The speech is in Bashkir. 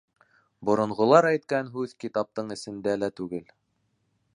Боронғолар әйткән һүҙ китаптың эсендә лә түгел